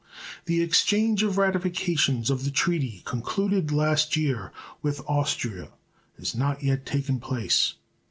The exchange of ratifications of the treaty concluded last year with Austria has not yet taken place.